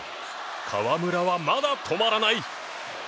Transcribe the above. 河村は、まだ止まらない！